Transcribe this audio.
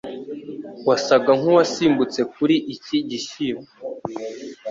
wasaga nkuwasimbutse kuri Iki gishyimbo